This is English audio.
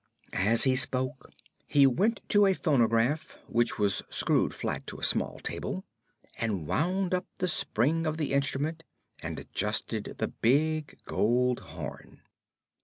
As he spoke he went to a phonograph, which screwed fast to a small table, and wound up the spring of the instrument and adjusted the big gold horn.